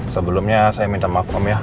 sebelumnya saya minta maaf ya